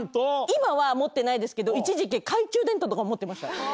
今は持ってないですけど一時期。とかも持ってました。